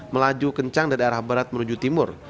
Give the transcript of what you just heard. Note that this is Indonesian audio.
melaju kencang dari arah barat menuju timur